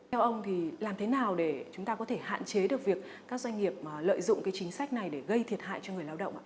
theo ông thì làm thế nào để chúng ta có thể hạn chế được việc các doanh nghiệp lợi dụng cái chính sách này để gây thiệt hại cho người lao động ạ